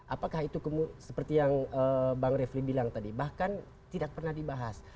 apakah itu seperti yang bang refli bilang tadi bahkan tidak pernah dibahas